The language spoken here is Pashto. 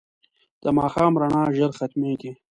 د ماښام رڼا ژر ختمېږي